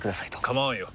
構わんよ。